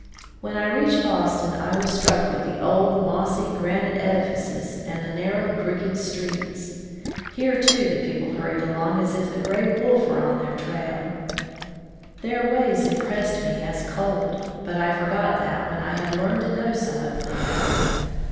When I reached Boston, I was struck with the old, mossy, granite edifices, and the narrow, crooked streets. Here, too, the 64 College Life in the East people hurried along as if the gray wolf were on their trail. Their ways impressed me as cold, but I forgot that when I had learned to know some of them better.